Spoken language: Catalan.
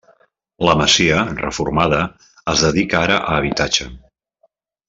La masia, reformada, es dedica ara a habitatge.